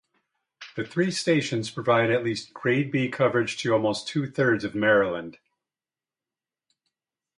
The three stations provide at least grade B coverage to almost two-thirds of Maryland.